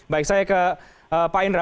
baik saya ke pak indra